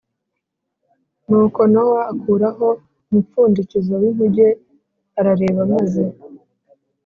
Nuko Nowa akuraho umupfundikizo w inkuge arareba maze